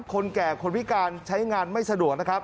คนแก่คนพิการใช้งานไม่สะดวกนะครับ